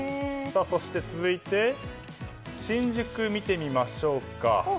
そして、続いて新宿を見てみましょうか。